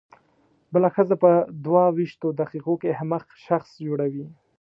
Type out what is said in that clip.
بله ښځه په دوه وېشتو دقیقو کې احمق شخص جوړوي.